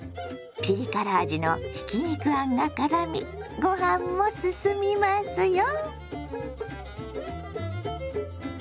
ピリ辛味のひき肉あんがからみご飯もすすみますよ。